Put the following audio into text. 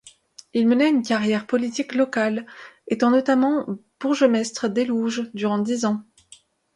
Il mena une carrière politique locale, étant notamment Bourgmestre d'Élouges durant dix ans.